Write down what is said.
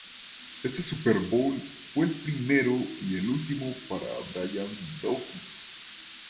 Ese Superbowl fue el primero y el último para Brian Dawkins.